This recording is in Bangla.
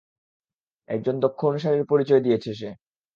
একজন দক্ষ অনুসারীর পরিচয় দিয়েছে সে।